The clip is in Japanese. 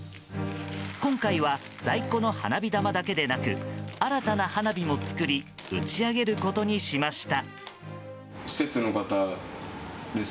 今回は在庫の花火玉だけではなく新たな花火も作り打ち上げることにしました。